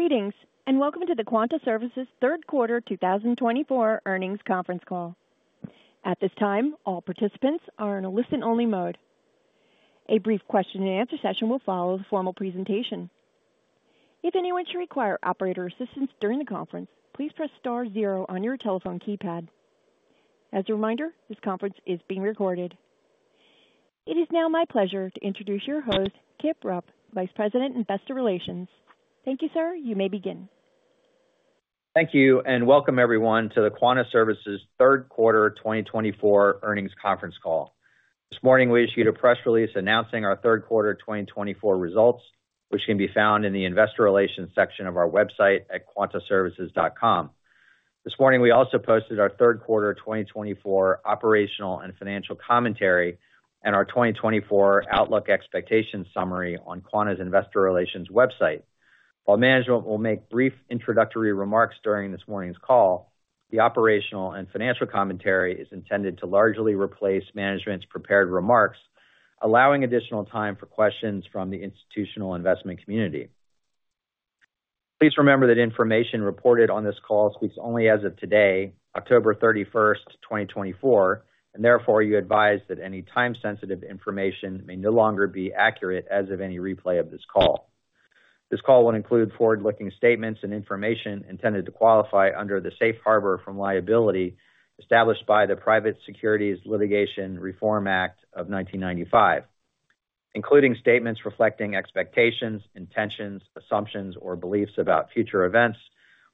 Greetings, and welcome to the Quanta Services Q3 2024 earnings conference call. At this time, all participants are in a listen-only mode. A brief question-and-answer session will follow the formal presentation. If anyone should require operator assistance during the conference, please press star zero on your telephone keypad. As a reminder, this conference is being recorded. It is now my pleasure to introduce your host, Kip Rupp, Vice President, Investor Relations. Thank you, sir. You may begin. Thank you, and welcome everyone to the Quanta Services Q3 2024 earnings conference call. This morning, we issued a press release announcing our Q3 2024 results, which can be found in the Investor Relations section of our website at quantaservices.com. This morning, we also posted our Q3 2024 operational and financial commentary and our 2024 outlook expectations summary on Quanta's Investor Relations website. While management will make brief introductory remarks during this morning's call, the operational and financial commentary is intended to largely replace management's prepared remarks, allowing additional time for questions from the institutional investment community. Please remember that information reported on this call speaks only as of today, October 31, 2024, and therefore you are advised that any time-sensitive information may no longer be accurate as of any replay of this call. This call will include forward-looking statements and information intended to qualify under the safe harbor from liability established by the Private Securities Litigation Reform Act of 1995, including statements reflecting expectations, intentions, assumptions, or beliefs about future events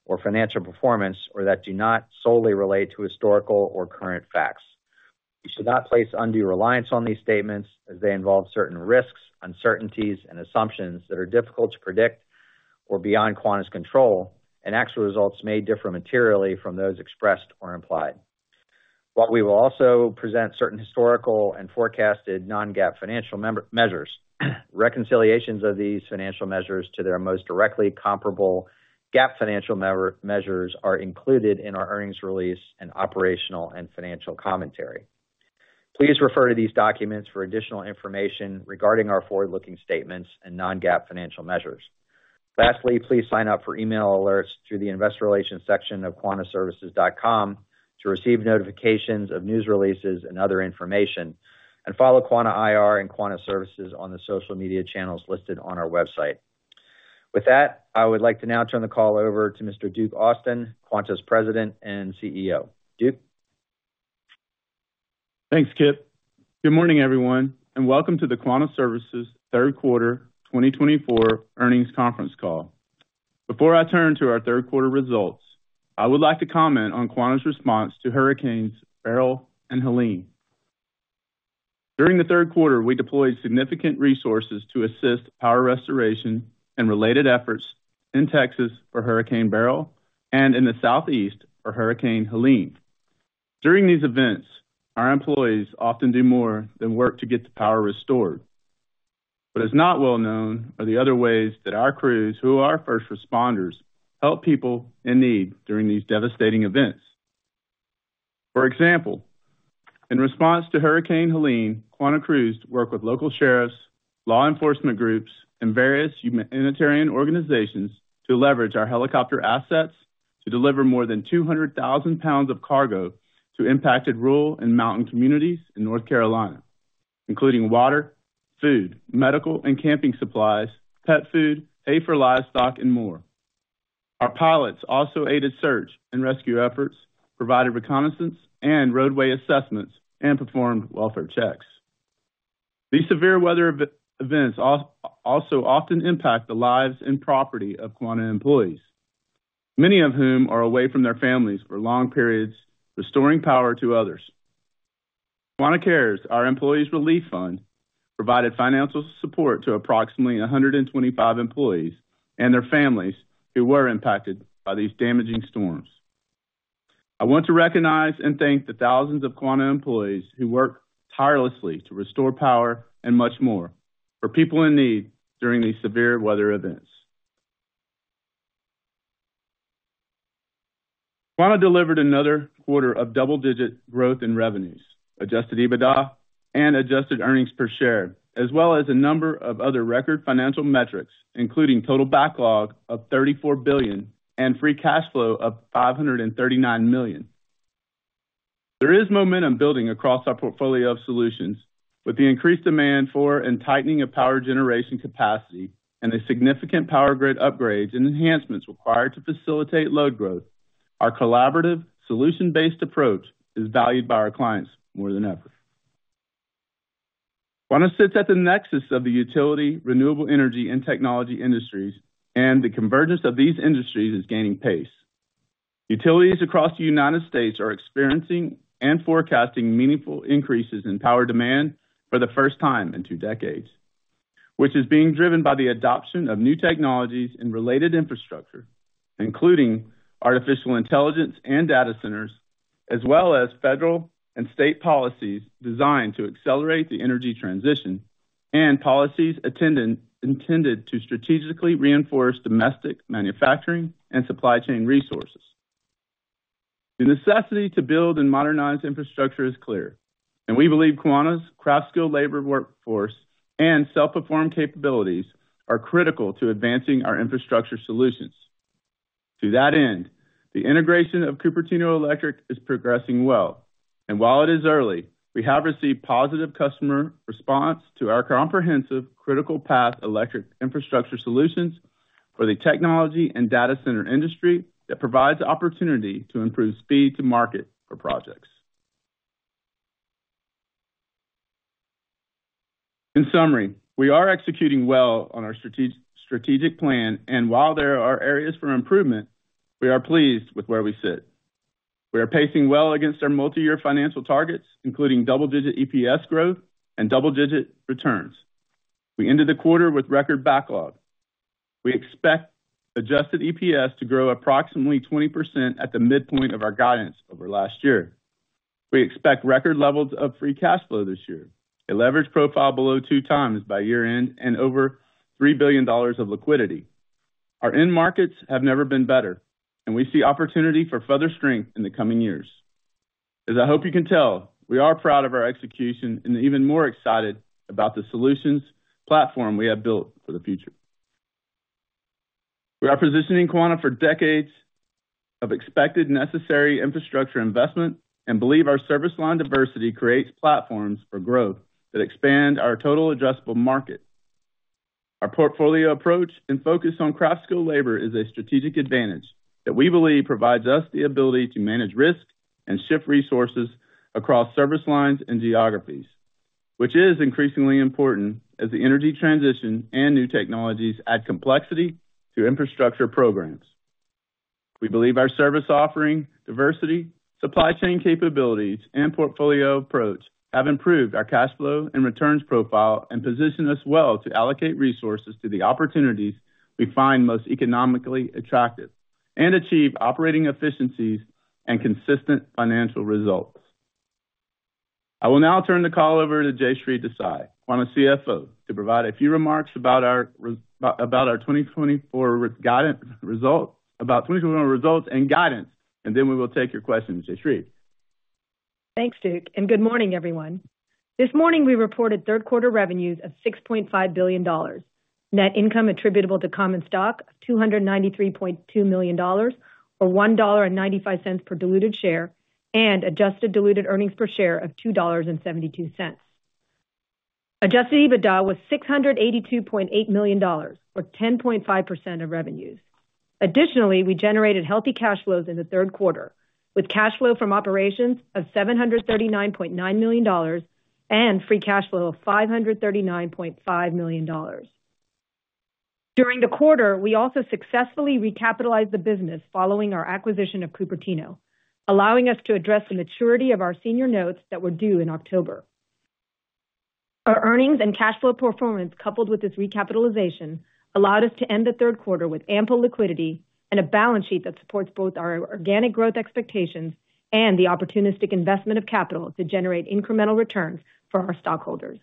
or financial performance that do not solely relate to historical or current facts. You should not place undue reliance on these statements as they involve certain risks, uncertainties, and assumptions that are difficult to predict or beyond Quanta's control, and actual results may differ materially from those expressed or implied. While we will also present certain historical and forecasted non-GAAP financial measures, reconciliations of these financial measures to their most directly comparable GAAP financial measures are included in our earnings release and operational and financial commentary. Please refer to these documents for additional information regarding our forward-looking statements and non-GAAP financial measures. Lastly, please sign up for email alerts through the Investor Relations section of quantaservices.com to receive notifications of news releases and other information, and follow Quanta IR and Quanta Services on the social media channels listed on our website. With that, I would like to now turn the call over to Mr. Duke Austin, Quanta's President and CEO. Duke. Thanks, Kip. Good morning, everyone, and welcome to the Quanta Services Q3 2024 earnings conference call. Before I turn to our Q3 results, I would like to comment on Quanta's response to Hurricanes Beryl and Helene. During the Q3, we deployed significant resources to assist power restoration and related efforts in Texas for Hurricane Beryl and in the Southeast for Hurricane Helene. During these events, our employees often do more than work to get the power restored. But it's not well known the other ways that our crews, who are first responders, help people in need during these devastating events. For example, in response to Hurricane Helene, Quanta crews work with local sheriffs, law enforcement groups, and various humanitarian organizations to leverage our helicopter assets to deliver more than 200,000 lbs of cargo to impacted rural and mountain communities in North Carolina, including water, food, medical and camping supplies, pet food, hay for livestock, and more. Our pilots also aided search and rescue efforts, provided reconnaissance and roadway assessments, and performed welfare checks. These severe weather events also often impact the lives and property of Quanta employees, many of whom are away from their families for long periods, restoring power to others. Quanta Cares, our employees' relief fund, provided financial support to approximately 125 employees and their families who were impacted by these damaging storms. I want to recognize and thank the thousands of Quanta employees who work tirelessly to restore power and much more for people in need during these severe weather events. Quanta delivered another quarter of double-digit growth in revenues, Adjusted EBITDA, and Adjusted Earnings Per Share, as well as a number of other record financial metrics, including total backlog of $34 billion and Free Cash Flow of $539 million. There is momentum building across our portfolio of solutions. With the increased demand for and tightening of power generation capacity and the significant power grid upgrades and enhancements required to facilitate load growth, our collaborative, solution-based approach is valued by our clients more than ever. Quanta sits at the nexus of the utility, renewable energy, and technology industries, and the convergence of these industries is gaining pace. Utilities across the United States are experiencing and forecasting meaningful increases in power demand for the first time in two decades, which is being driven by the adoption of new technologies and related infrastructure, including artificial intelligence and data centers, as well as federal and state policies designed to accelerate the energy transition and policies intended to strategically reinforce domestic manufacturing and supply chain resources. The necessity to build and modernize infrastructure is clear, and we believe Quanta's craft-skilled labor workforce and self-perform capabilities are critical to advancing our infrastructure solutions. To that end, the integration of Cupertino Electric is progressing well, and while it is early, we have received positive customer response to our comprehensive critical path electric infrastructure solutions for the technology and data center industry that provides opportunity to improve speed to market for projects. In summary, we are executing well on our strategic plan, and while there are areas for improvement, we are pleased with where we sit. We are pacing well against our multi-year financial targets, including double-digit EPS growth and double-digit returns. We ended the quarter with record backlog. We expect adjusted EPS to grow approximately 20% at the midpoint of our guidance over last year. We expect record levels of Free Cash Flow this year, a leveraged profile below two times by year-end, and over $3 billion of liquidity. Our end markets have never been better, and we see opportunity for further strength in the coming years. As I hope you can tell, we are proud of our execution and even more excited about the solutions platform we have built for the future. We are positioning Quanta for decades of expected necessary infrastructure investment and believe our service line diversity creates platforms for growth that expand our total addressable market. Our portfolio approach and focus on craft-skilled labor is a strategic advantage that we believe provides us the ability to manage risk and shift resources across service lines and geographies, which is increasingly important as the energy transition and new technologies add complexity to infrastructure programs. We believe our service offering, diversity, supply chain capabilities, and portfolio approach have improved our cash flow and returns profile and position us well to allocate resources to the opportunities we find most economically attractive and achieve operating efficiencies and consistent financial results. I will now turn the call over to Jayshree Desai, Quanta CFO, to provide a few remarks about our 2024 results and guidance, and then we will take your questions, Jayshree. Thanks, Duke, and good morning, everyone. This morning, we reported Q3 revenues of $6.5 billion, net income attributable to common stock of $293.2 million, or $1.95 per diluted share, and adjusted diluted earnings per share of $2.72. Adjusted EBITDA was $682.8 million, or 10.5% of revenues. Additionally, we generated healthy cash flows in the Q3, with cash flow from operations of $739.9 million and Free Cash Flow of $539.5 million. During the quarter, we also successfully recapitalized the business following our acquisition of Cupertino, allowing us to address the maturity of our senior notes that were due in October. Our earnings and cash flow performance, coupled with this recapitalization, allowed us to end the Q3 with ample liquidity and a balance sheet that supports both our organic growth expectations and the opportunistic investment of capital to generate incremental returns for our stockholders.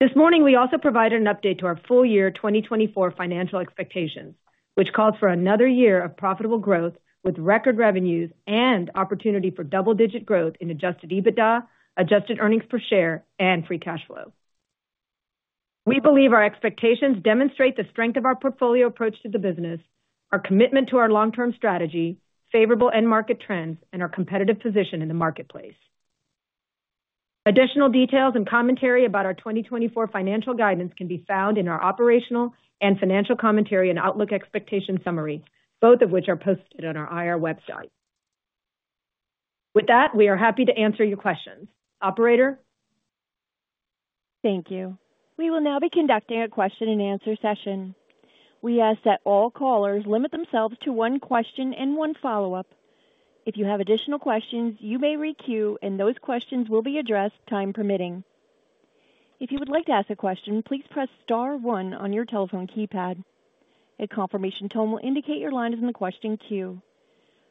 This morning, we also provided an update to our full-year 2024 financial expectations, which calls for another year of profitable growth with record revenues and opportunity for double-digit growth in Adjusted EBITDA, Adjusted Earnings Per Share, and Free Cash Flow. We believe our expectations demonstrate the strength of our portfolio approach to the business, our commitment to our long-term strategy, favorable end market trends, and our competitive position in the marketplace. Additional details and commentary about our 2024 financial guidance can be found in our operational and financial commentary and outlook expectation summary, both of which are posted on our IR website. With that, we are happy to answer your questions. Operator. Thank you. We will now be conducting a question-and-answer session. We ask that all callers limit themselves to one question and one follow-up. If you have additional questions, you may re-queue, and those questions will be addressed time permitting. If you would like to ask a question, please press star one on your telephone keypad. A confirmation tone will indicate your line is in the question queue.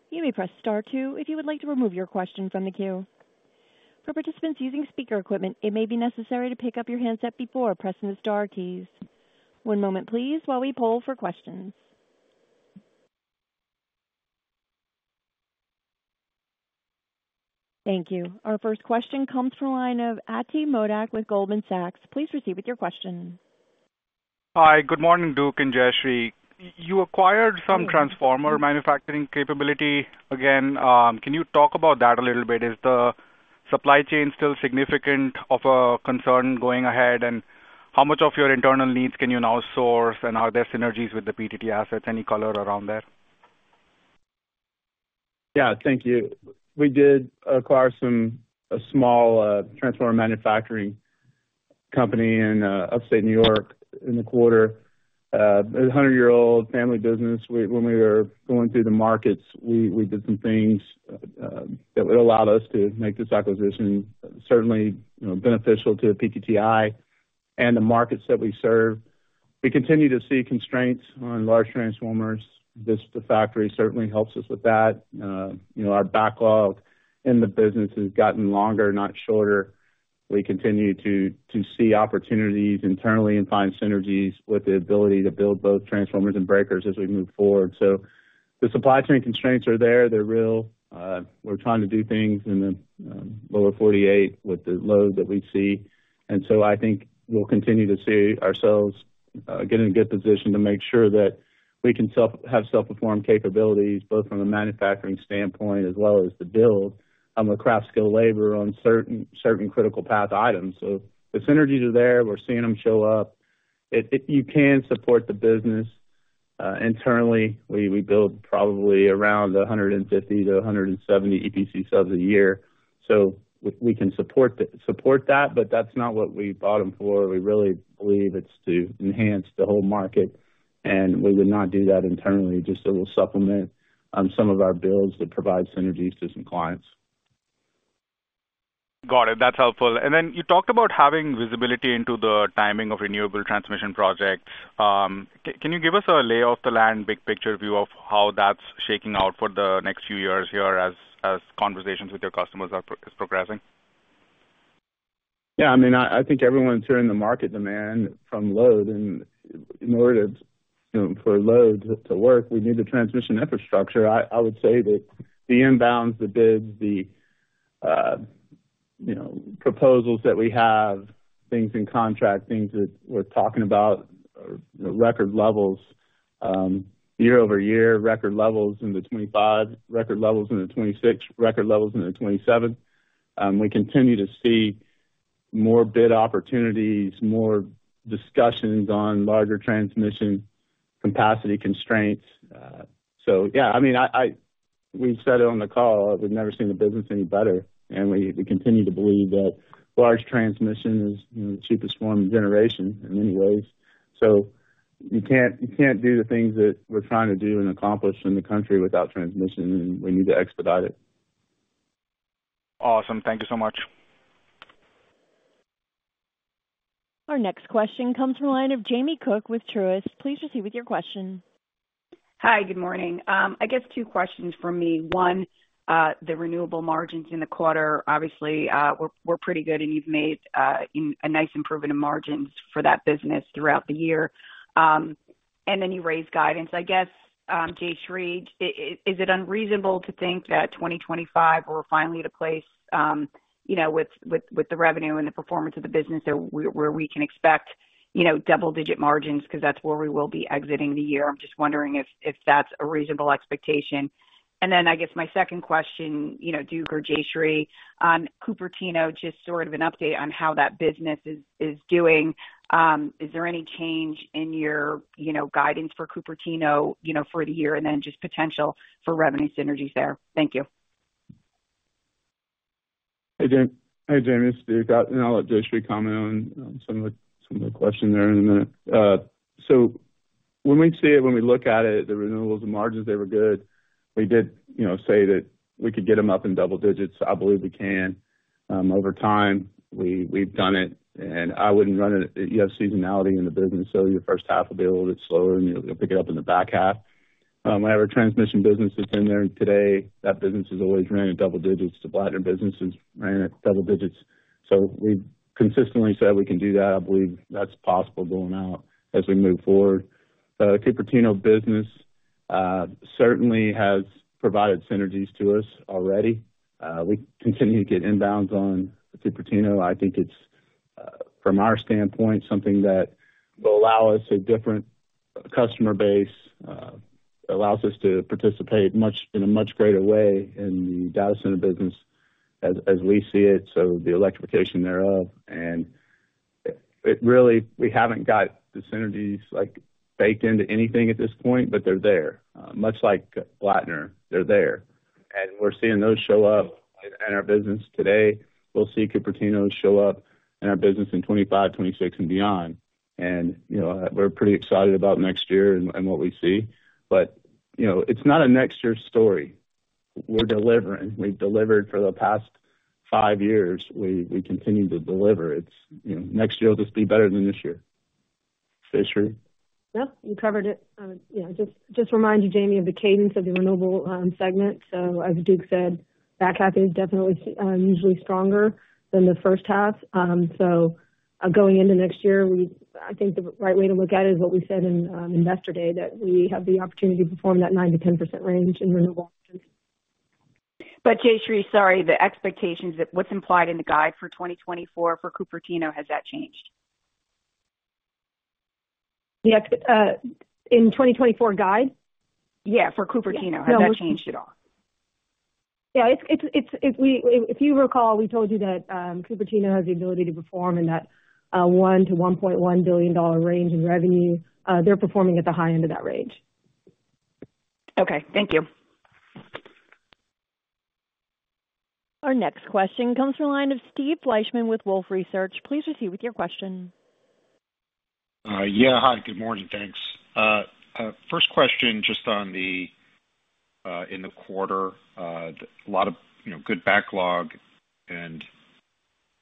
You may press star two if you would like to remove your question from the queue. For participants using speaker equipment, it may be necessary to pick up your handset before pressing the star keys. One moment, please, while we poll for questions. Thank you. Our first question comes from a line of Ati Modak with Goldman Sachs. Please proceed with your question. Hi, good morning, Duke and Jayshree. You acquired some transformer manufacturing capability. Again, can you talk about that a little bit? Is the supply chain still significant of a concern going ahead? And how much of your internal needs can you now source? And are there synergies with the PTTI assets? Any color around there? Yeah, thank you. We did acquire a small transformer manufacturing company in upstate New York in the quarter. A 100-year-old family business. When we were going through the markets, we did some things that would allow us to make this acquisition certainly beneficial to the PTTI and the markets that we serve. We continue to see constraints on large transformers. This factory certainly helps us with that. Our backlog in the business has gotten longer, not shorter. We continue to see opportunities internally and find synergies with the ability to build both transformers and breakers as we move forward. So the supply chain constraints are there. They're real. We're trying to do things in the Lower 48 with the load that we see. And so I think we'll continue to see ourselves get in a good position to make sure that we can have self-perform capabilities, both from a manufacturing standpoint as well as the build on the craft-skilled labor on certain critical path items. So the synergies are there. We're seeing them show up. You can support the business internally. We build probably around 150 to 170 EPC subs a year. So we can support that, but that's not what we bought them for. We really believe it's to enhance the whole market, and we would not do that internally. Just it will supplement some of our builds that provide synergies to some clients. Got it. That's helpful. And then you talked about having visibility into the timing of renewable transmission projects. Can you give us a lay of the land, big picture view of how that's shaking out for the next few years here as conversations with your customers are progressing? Yeah, I mean, I think everyone's hearing the market demand from load. And in order for load to work, we need the transmission infrastructure. I would say that the inbounds, the bids, the proposals that we have, things in contract, things that we're talking about are record levels year over year, record levels in the 2025, record levels in the 2026, record levels in the 2027. We continue to see more bid opportunities, more discussions on larger transmission capacity constraints. So yeah, I mean, we said it on the call, we've never seen the business any better. And we continue to believe that large transmission is the cheapest form of generation in many ways. So you can't do the things that we're trying to do and accomplish in the country without transmission, and we need to expedite it. Awesome. Thank you so much. Our next question comes from a line of Jamie Cook with Truist. Please proceed with your question. Hi, good morning. I guess two questions for me. One, the renewable margins in the quarter, obviously, were pretty good, and you've made a nice improvement in margins for that business throughout the year, and then you raised guidance. I guess, Jayshree, is it unreasonable to think that 2025, we're finally at a place with the revenue and the performance of the business where we can expect double-digit margins because that's where we will be exiting the year? I'm just wondering if that's a reasonable expectation, and then I guess my second question, Duke, or Jayshree, on Cupertino, just sort of an update on how that business is doing. Is there any change in your guidance for Cupertino for the year and then just potential for revenue synergies there? Thank you. Hey, Jamie. I'll let Jayshree comment on some of the questions there in a minute. So when we see it, when we look at it, the renewables and margins, they were good. We did say that we could get them up in double digits. I believe we can. Over time, we've done it. And I wouldn't rule it. You have seasonality in the business, so your first half will be a little bit slower, and you'll pick it up in the back half. Whenever a transmission business is in there today, that business has always ran in double digits. The Blattner business has ran at double digits. So we've consistently said we can do that. I believe that's possible going forward as we move forward. Cupertino business certainly has provided synergies to us already. We continue to get inbounds on Cupertino. I think it's, from our standpoint, something that will allow us a different customer base. It allows us to participate in a much greater way in the data center business as we see it, so the electrification thereof. And really, we haven't got the synergies baked into anything at this point, but they're there. Much like Blattner, they're there. And we're seeing those show up in our business today. We'll see Cupertino show up in our business in 2025, 2026, and beyond. And we're pretty excited about next year and what we see. But it's not a next-year story. We're delivering. We've delivered for the past five years. We continue to deliver. Next year will just be better than this year. Jayshree? No, you covered it. Just reminded Jamie of the cadence of the renewable segment. So as Duke said, back half is definitely usually stronger than the first half. So going into next year, I think the right way to look at it is what we said in investor day, that we have the opportunity to perform that 9%-10% range in renewable margins. Jayshree, sorry, the expectations, what's implied in the guide for 2024 for Cupertino, has that changed? In 2024 guide? Yeah, for Cupertino. Has that changed at all? Yeah. If you recall, we told you that Cupertino has the ability to perform in that $1-$1.1 billion-dollar range in revenue. They're performing at the high end of that range. Okay. Thank you. Our next question comes from a line of Steve Fleishman with Wolfe Research. Please proceed with your question. Yeah. Hi, good morning. Thanks. First question, just on the, in the quarter, a lot of good backlog and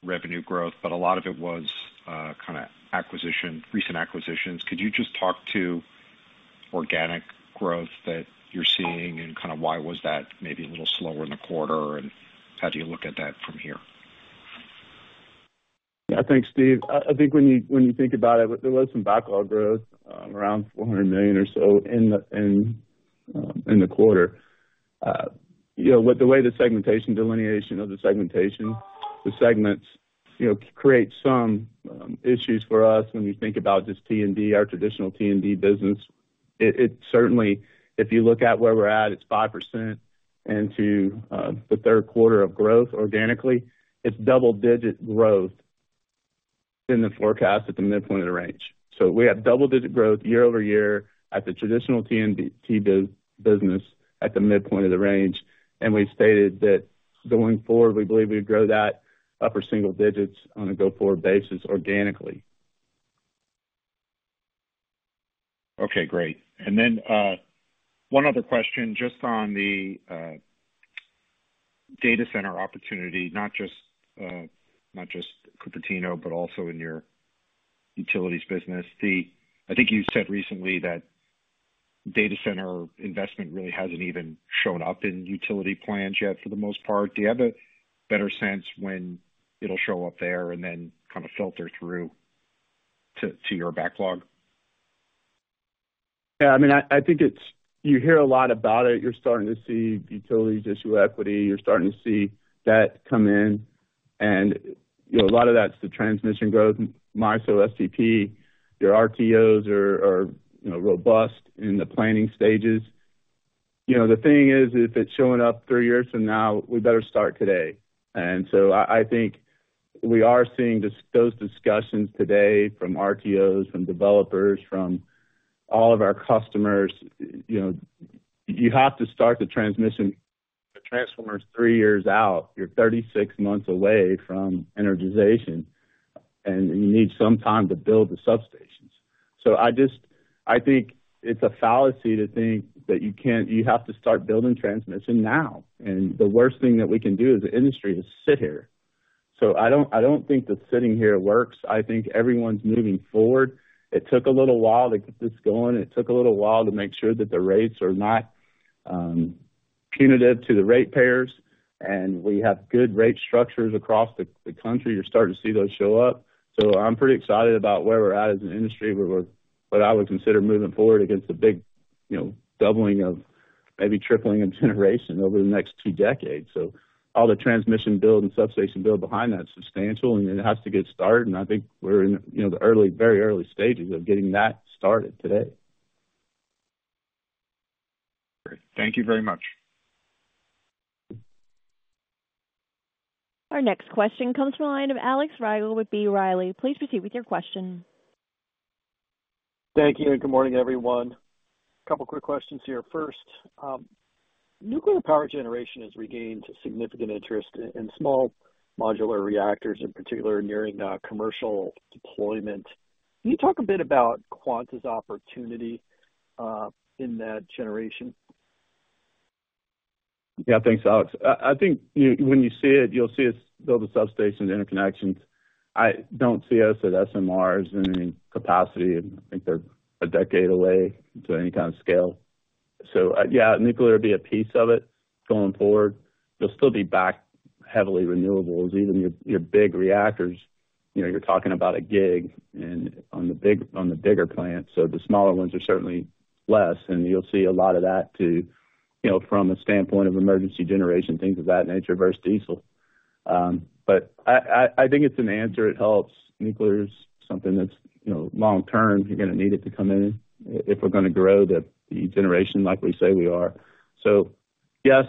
revenue growth, but a lot of it was kind of acquisition, recent acquisitions. Could you just talk to organic growth that you're seeing and kind of why was that maybe a little slower in the quarter? And how do you look at that from here? Yeah, thanks, Steve. I think when you think about it, there was some backlog growth around $400 million or so in the quarter. With the way the segmentation, delineation of the segmentation, the segments create some issues for us when we think about just T&D, our traditional T&D business. It certainly, if you look at where we're at, it's 5% into the third quarter of growth organically. It's double-digit growth in the forecast at the midpoint of the range. So we have double-digit growth year over year at the traditional T&D business at the midpoint of the range. And we stated that going forward, we believe we would grow that upper single digits on a go-forward basis organically. Okay, great. And then one other question just on the data center opportunity, not just Cupertino, but also in your utilities business. I think you said recently that data center investment really hasn't even shown up in utility plans yet for the most part. Do you have a better sense when it'll show up there and then kind of filter through to your backlog? Yeah. I mean, I think you hear a lot about it. You're starting to see utilities issue equity. You're starting to see that come in. And a lot of that's the transmission growth. MISO, SPP, your RTOs are robust in the planning stages. The thing is, if it's showing up three years from now, we better start today. And so I think we are seeing those discussions today from RTOs, from developers, from all of our customers. You have to start the transmission, the transformers three years out. You're 36 months away from energization, and you need some time to build the substations. So I think it's a fallacy to think that you have to start building transmission now. And the worst thing that we can do as an industry is sit here. So I don't think that sitting here works. I think everyone's moving forward. It took a little while to get this going. It took a little while to make sure that the rates are not punitive to the ratepayers. And we have good rate structures across the country. You're starting to see those show up. So I'm pretty excited about where we're at as an industry where I would consider moving forward against a big doubling of maybe tripling of generation over the next two decades. So all the transmission build and substation build behind that is substantial, and it has to get started. And I think we're in the very early stages of getting that started today. Thank you very much. Our next question comes from a line of Alex Rygiel with B. Riley. Please proceed with your question. Thank you. Good morning, everyone. A couple of quick questions here. First, nuclear power generation has regained significant interest in small modular reactors, in particular, nearing commercial deployment. Can you talk a bit about Quanta's opportunity in that generation? Yeah, thanks, Alex. I think when you see it, you'll see it's build the substations and interconnections. I don't see us at SMRs in any capacity. I think they're a decade away to any kind of scale. So yeah, nuclear would be a piece of it going forward. You'll still be back heavily renewables, even your big reactors. You're talking about a gig on the bigger plant. So the smaller ones are certainly less. And you'll see a lot of that too from a standpoint of emergency generation, things of that nature versus diesel. But I think it's an answer. It helps. Nuclear is something that's long-term. You're going to need it to come in if we're going to grow the generation like we say we are. So yes,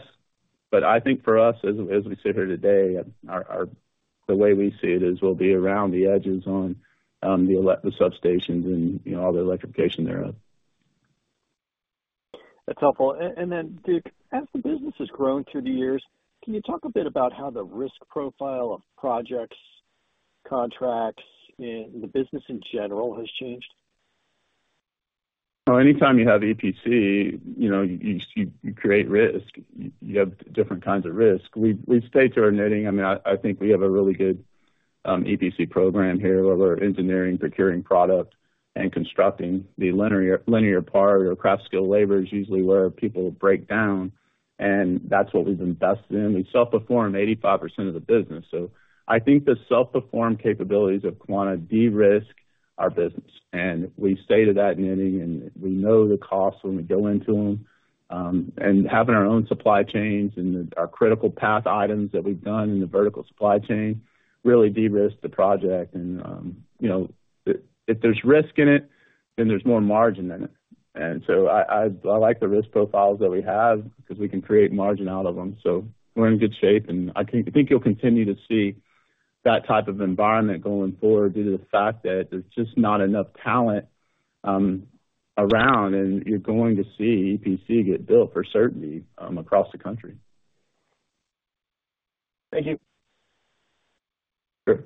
but I think for us, as we sit here today, the way we see it is we'll be around the edges on the substations and all the electrification thereof. That's helpful, and then, Duke, as the business has grown through the years, can you talk a bit about how the risk profile of projects, contracts, and the business in general has changed? Anytime you have EPC, you create risk. You have different kinds of risk. We stayed to our knitting. I mean, I think we have a really good EPC program here where we're engineering, procuring product, and constructing. The linear part or craft skill labor is usually where people break down, and that's what we've invested in. We self-perform 85% of the business. So I think the self-perform capabilities of Quanta de-risk our business. And we stay to that knitting, and we know the costs when we go into them. And having our own supply chains and our critical path items that we've done in the vertical supply chain really de-risk the project. And if there's risk in it, then there's more margin in it. And so I like the risk profiles that we have because we can create margin out of them. So we're in good shape. I think you'll continue to see that type of environment going forward due to the fact that there's just not enough talent around, and you're going to see EPC get built for certainty across the country. Thank you.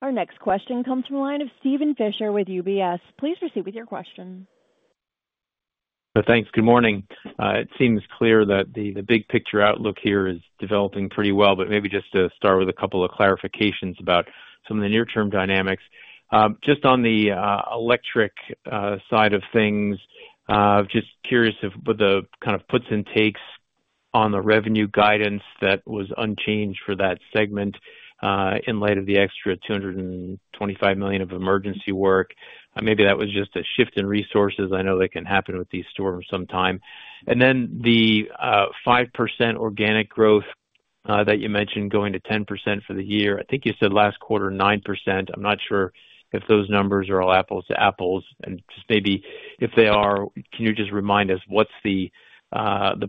Sure. Our next question comes from a line of Steven Fisher with UBS. Please proceed with your question. Thanks. Good morning. It seems clear that the big picture outlook here is developing pretty well, but maybe just to start with a couple of clarifications about some of the near-term dynamics. Just on the electric side of things, just curious of what the kind of puts and takes on the revenue guidance that was unchanged for that segment in light of the extra $225 million of emergency work. Maybe that was just a shift in resources. I know that can happen with these storms sometimes. And then the 5% organic growth that you mentioned going to 10% for the year. I think you said last quarter 9%. I'm not sure if those numbers are all apples to apples. And just maybe if they are, can you just remind us what's the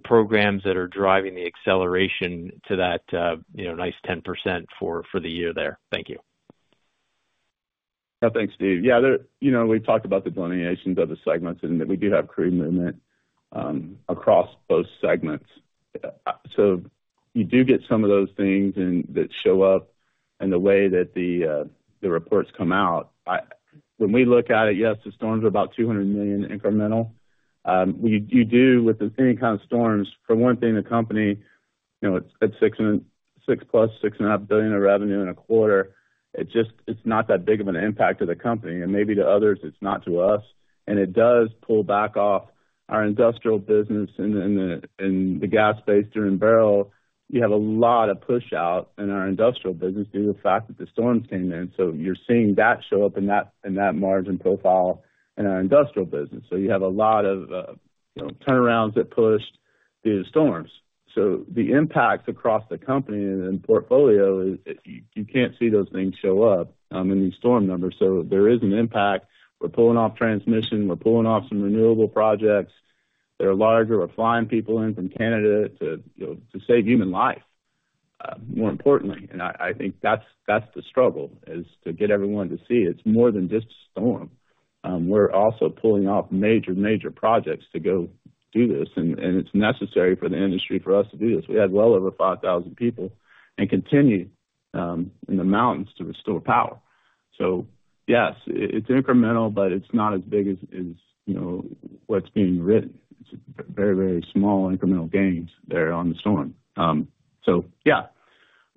programs that are driving the acceleration to that nice 10% for the year there? Thank you. Yeah, thanks, Steve. Yeah, we talked about the delineations of the segments and that we do have crew movement across both segments. So you do get some of those things that show up in the way that the reports come out. When we look at it, yes, the storms are about $200 million incremental. You do with any kind of storms, for one thing, a company at $6 billion plus, $6.5 billion of revenue in a quarter, it's not that big of an impact to the company. And maybe to others, it's not to us. And it does pull back off our industrial business in the gas space during Beryl. You have a lot of push-out in our industrial business due to the fact that the storms came in. So you're seeing that show up in that margin profile in our industrial business. So you have a lot of turnarounds that pushed due to storms. So the impacts across the company and portfolio, you can't see those things show up in these storm numbers. So there is an impact. We're pulling off transmission. We're pulling off some renewable projects that are larger. We're flying people in from Canada to save human life, more importantly. And I think that's the struggle is to get everyone to see it's more than just a storm. We're also pulling off major, major projects to go do this. And it's necessary for the industry for us to do this. We had well over 5,000 people and continue in the mountains to restore power. So yes, it's incremental, but it's not as big as what's being written. It's very, very small incremental gains there on the storm. So yeah.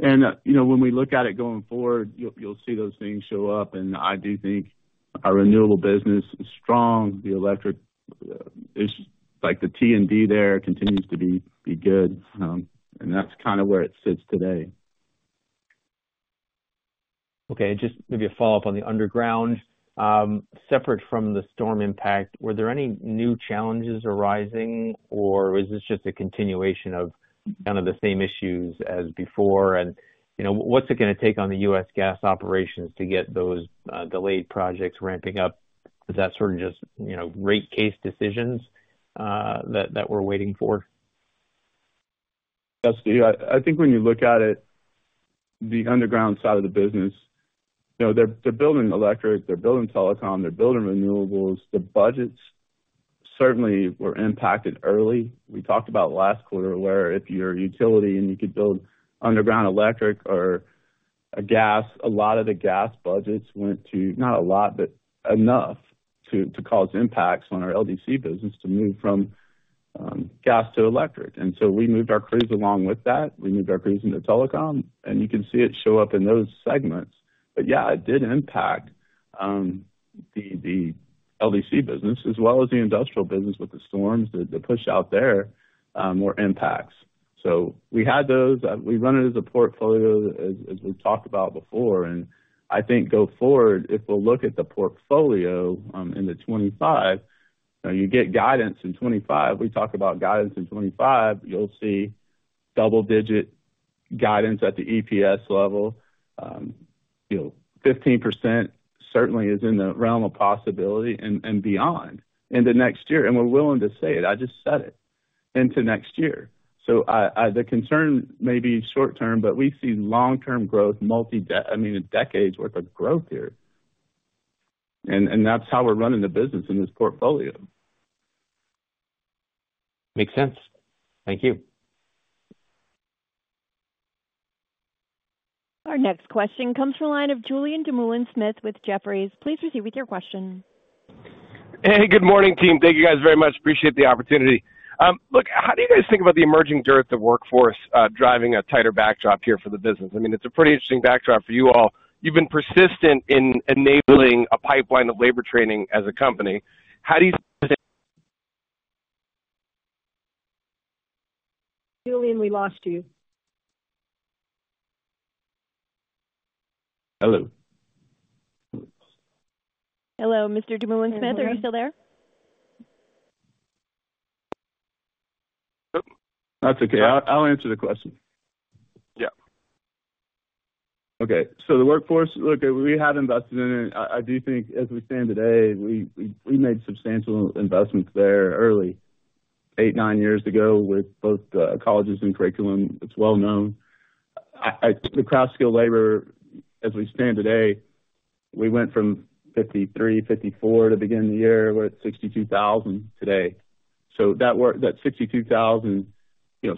And when we look at it going forward, you'll see those things show up. And I do think our renewable business is strong. The electric issue, like the T&D there, continues to be good. And that's kind of where it sits today. Okay. Just maybe a follow-up on the underground. Separate from the storm impact, were there any new challenges arising, or is this just a continuation of kind of the same issues as before? And what's it going to take on the U.S. gas operations to get those delayed projects ramping up? Is that sort of just rate case decisions that we're waiting for? Yes, Steve. I think when you look at it, the underground side of the business, they're building electric. They're building telecom. They're building renewables. The budgets certainly were impacted early. We talked about last quarter where if you're a utility and you could build underground electric or a gas, a lot of the gas budgets went to not a lot, but enough to cause impacts on our LDC business to move from gas to electric. And so we moved our crews along with that. We moved our crews into telecom. And you can see it show up in those segments. But yeah, it did impact the LDC business as well as the industrial business with the storms, the push-out. There were impacts. So we had those. We run it as a portfolio, as we've talked about before. I think going forward, if we'll look at the portfolio in 2025, you get guidance in 2025. We talk about guidance in 2025. You'll see double-digit guidance at the EPS level. 15% certainly is in the realm of possibility and beyond into next year. And we're willing to say it. I just said it into next year. So the concern may be short-term, but we see long-term growth, I mean, a decade's worth of growth here. And that's how we're running the business in this portfolio. Makes sense. Thank you. Our next question comes from a line of Julian Dumoulin-Smith with Jefferies. Please proceed with your question. Hey, good morning, team. Thank you guys very much. Appreciate the opportunity. Look, how do you guys think about the emerging dearth of workforce driving a tighter backdrop here for the business? I mean, it's a pretty interesting backdrop for you all. You've been persistent in enabling a pipeline of labor training as a company. How do you think? Julian, we lost you. Hello. Hello, Mr. Dumoulin-Smith, are you still there? That's okay. I'll answer the question. Yeah. Okay. So the workforce, look, we had invested in it. I do think as we stand today, we made substantial investments there early, eight, nine years ago with both colleges and curriculum. It's well known. The craft skill labor, as we stand today, we went from 53, 54 to begin the year at 62,000 today. So that 62,000,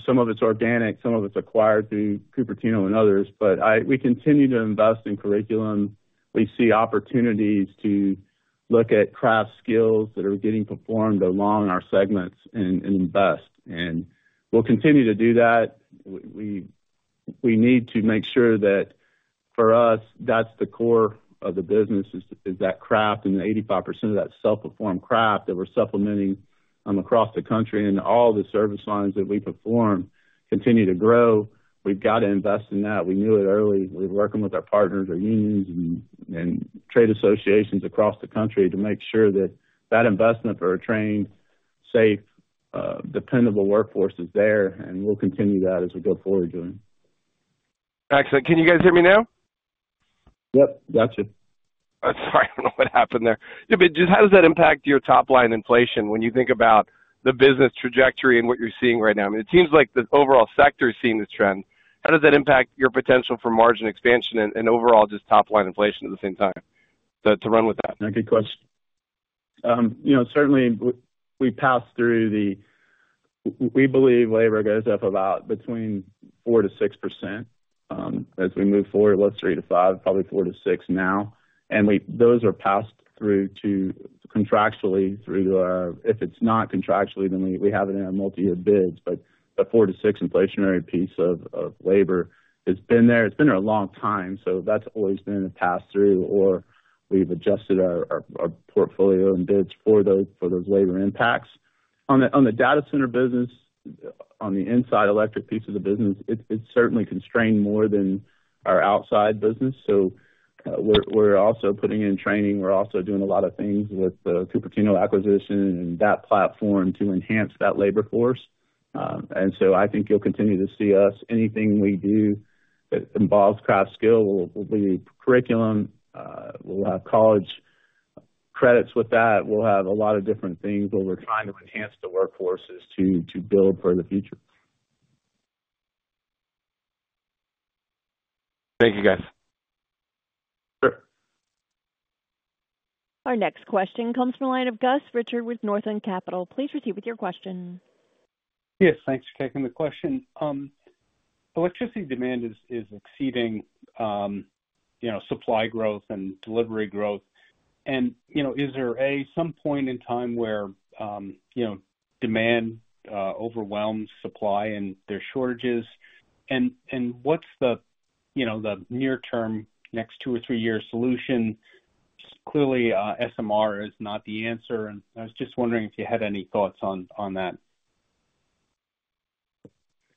some of it's organic, some of it's acquired through Cupertino and others. But we continue to invest in curriculum. We see opportunities to look at craft skills that are getting performed along our segments and invest. And we'll continue to do that. We need to make sure that for us, that's the core of the business is that craft and the 85% of that self-performed craft that we're supplementing across the country and all the service lines that we perform continue to grow. We've got to invest in that. We knew it early. We're working with our partners, our unions, and trade associations across the country to make sure that that investment for a trained, safe, dependable workforce is there, and we'll continue that as we go forward doing. Excellent. Can you guys hear me now? Yep, gotcha. Sorry, I don't know what happened there. But just how does that impact your top-line inflation when you think about the business trajectory and what you're seeing right now? I mean, it seems like the overall sector is seeing this trend. How does that impact your potential for margin expansion and overall just top-line inflation at the same time to run with that? Yeah, good question. Certainly, we pass through. We believe labor goes up about between 4%-6% as we move forward, was 3%-5%, probably 4%-6% now. And those are passed through contractually. If it's not contractually, then we have it in our multi-year bids. But the 4%-6% inflationary piece of labor has been there. It's been there a long time. So that's always been a pass-through or we've adjusted our portfolio and bids for those labor impacts. On the data center business, on the inside electric piece of the business, it's certainly constrained more than our outside business. So we're also putting in training. We're also doing a lot of things with the Cupertino acquisition and that platform to enhance that labor force. And so I think you'll continue to see us. Anything we do that involves craft skill will be curriculum. We'll have college credits with that. We'll have a lot of different things where we're trying to enhance the workforces to build for the future. Thank you, guys. Sure. Our next question comes from a line of Gus Richard with Northland Capital. Please proceed with your question. Yes, thanks for taking the question. Electricity demand is exceeding supply growth and delivery growth. And is there some point in time where demand overwhelms supply and there are shortages? And what's the near-term, next two or three-year solution? Clearly, SMR is not the answer. And I was just wondering if you had any thoughts on that.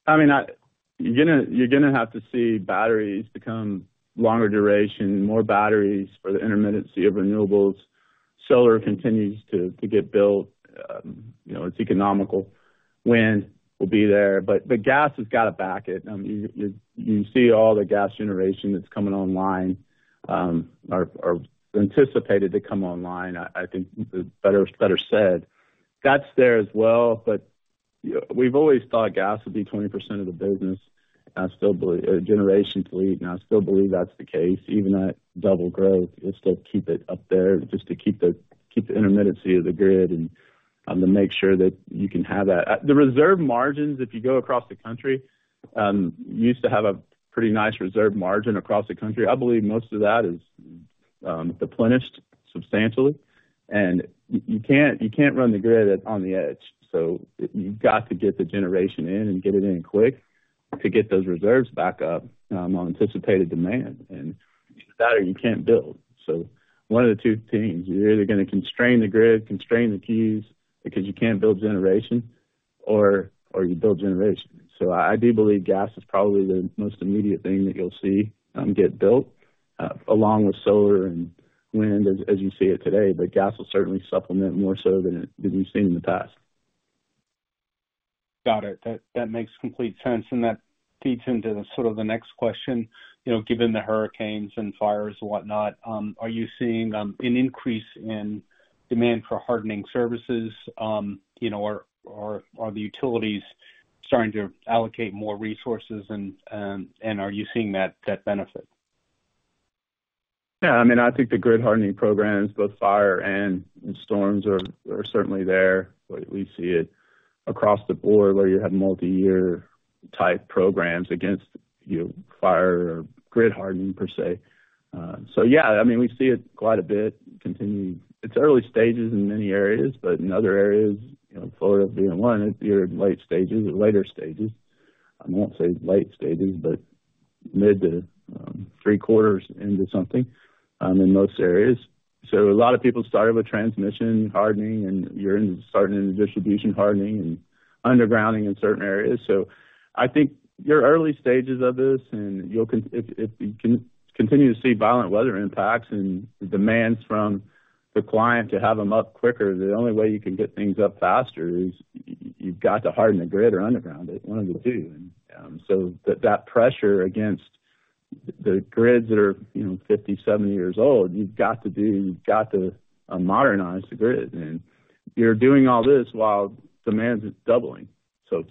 I mean, you're going to have to see batteries become longer duration, more batteries for the intermittency of renewables. Solar continues to get built. It's economical. Wind will be there, but the gas has got to back it. You see all the gas generation that's coming online or anticipated to come online, I think better said. That's there as well, but we've always thought gas would be 20% of the business. Generations lead, and I still believe that's the case. Even at double growth, it's to keep it up there just to keep the intermittency of the grid and to make sure that you can have that. The reserve margins, if you go across the country, used to have a pretty nice reserve margin across the country. I believe most of that is replenished substantially, and you can't run the grid on the edge. So you've got to get the generation in and get it in quick to get those reserves back up on anticipated demand, and without it, you can't build. So one of the two things, you're either going to constrain the grid, constrain the queues because you can't build generation, or you build generation. So I do believe gas is probably the most immediate thing that you'll see get built along with solar and wind as you see it today, but gas will certainly supplement more so than you've seen in the past. Got it. That makes complete sense. And that feeds into sort of the next question. Given the hurricanes and fires and whatnot, are you seeing an increase in demand for hardening services, or are the utilities starting to allocate more resources, and are you seeing that benefit? Yeah. I mean, I think the grid hardening programs, both fire and storms, are certainly there. We see it across the board where you have multi-year type programs against fire or grid hardening per se. So yeah, I mean, we see it quite a bit continue. It's early stages in many areas, but in other areas, Florida being one, you're in late stages, later stages. I won't say late stages, but mid to three quarters into something in most areas. So a lot of people started with transmission hardening, and you're starting in the distribution hardening and undergrounding in certain areas. So I think you're in the early stages of this, and if you continue to see violent weather impacts and demands from the client to have them up quicker, the only way you can get things up faster is you've got to harden the grid or underground it, one of the two. And so that pressure against the grids that are 50, 70 years old, you've got to do, you've got to modernize the grid. And you're doing all this while demand is doubling. So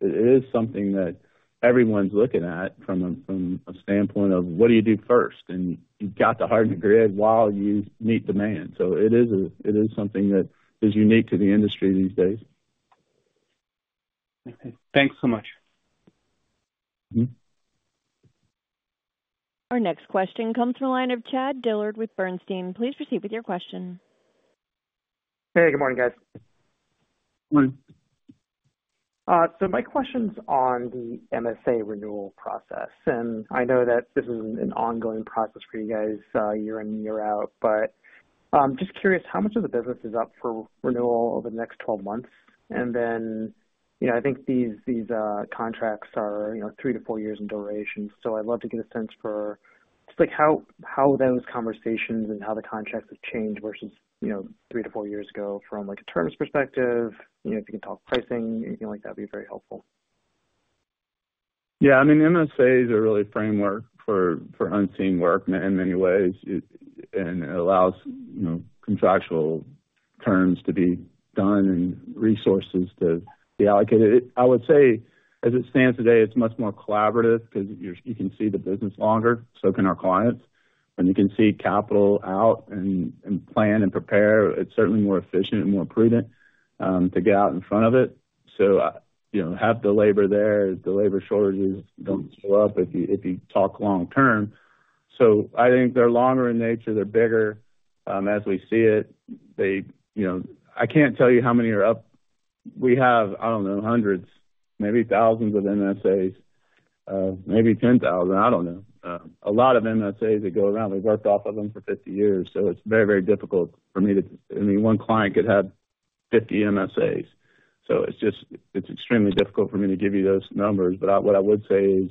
it is something that everyone's looking at from a standpoint of, what do you do first? And you've got to harden the grid while you meet demand. So it is something that is unique to the industry these days. Okay. Thanks so much. Our next question comes from a line of Chad Dillard with Bernstein. Please proceed with your question. Hey, good morning, guys. Morning. So my question's on the MSA renewal process. And I know that this is an ongoing process for you guys year in and year out, but I'm just curious how much of the business is up for renewal over the next 12 months. And then I think these contracts are three to four years in duration. So I'd love to get a sense for just how those conversations and how the contracts have changed versus three to four years ago from a terms perspective. If you can talk pricing, anything like that would be very helpful. Yeah. I mean, MSAs are really framework for unseen work in many ways, and it allows contractual terms to be done and resources to be allocated. I would say, as it stands today, it's much more collaborative because you can see the business longer, so can our clients, and you can see capital out and plan and prepare. It's certainly more efficient and more prudent to get out in front of it, so have the labor there. The labor shortages don't show up if you talk long-term, so I think they're longer in nature. They're bigger as we see it. I can't tell you how many are up. We have, I don't know, hundreds, maybe thousands of MSAs, maybe 10,000. I don't know. A lot of MSAs that go around. We've worked off of them for 50 years. So it's very, very difficult for me to, I mean, one client could have 50 MSAs. So it's extremely difficult for me to give you those numbers. But what I would say is